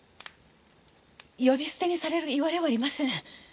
呼び捨てにされるいわれはありません。